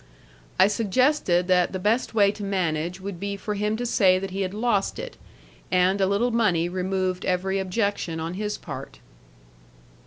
I suggested that the best way to manage would be for him to say that he had lost it, and a little money removed every objection on his part.